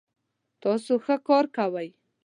تاسو ښه کار کوئ